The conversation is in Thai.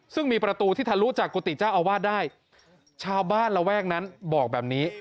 ซึ่งมีประตูที่ทะลุจากกุฏิเจ้าอาวาสได้ชาวบ้านระแวกนั้นบอกแบบนี้